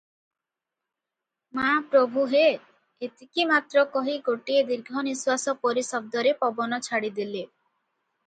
ମା ପ୍ରଭୁହେ"- ଏତିକି ମାତ୍ର କହି ଗୋଟିଏ ଦୀର୍ଘନିଶ୍ୱାସ ପରି ଶବ୍ଦରେ ପବନ ଛାଡ଼ିଦେଲେ ।